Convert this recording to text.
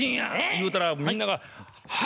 言うたらみんなが「ははぁ！」